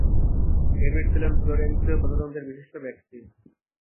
David ছিলেন ফ্লোরেন্সিয় প্রজাতন্ত্রের বিশিষ্ট ব্যক্তি।